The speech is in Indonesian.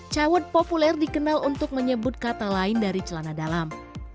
cawet populer dikenal untuk menyebut kata lain dari celana dalam